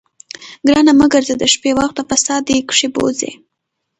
ګرانه مه ګرځه د شپې، وخت د فساد دي کښې بوځې